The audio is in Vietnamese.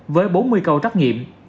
với bốn mươi câu trắc nghiệm